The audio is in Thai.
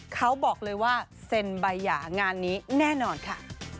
เขาบอกเลยว่าเซ็นใบหย่างานนี้แน่นอนค่ะ